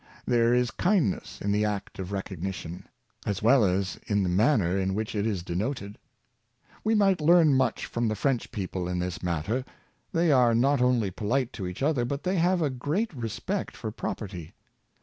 There is kindness in the act of recogni tion, as well as in the manner in which it is denoted. We might learn much from the French people in this matter. They are not only polite to each other, but they have a great respect for property.